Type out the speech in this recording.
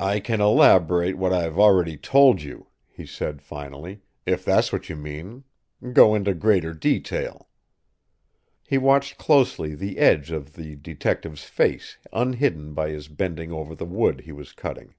"I can elaborate what I've already told you," he said, finally, "if that's what you mean go into greater detail." He watched closely the edge of the detective's face unhidden by his bending over the wood he was cutting.